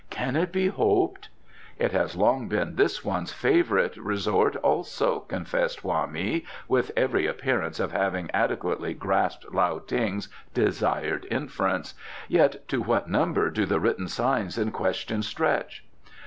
Can it be hoped ?" "It has long been this one's favourite resort also," confessed Hoa mi, with every appearance of having adequately grasped Lao Ting's desired inference, "Yet to what number do the written signs in question stretch?"